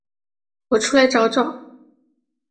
我出来找找